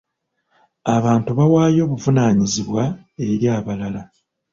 Abantu bawaayo obuvunaanyizibwa eri balala.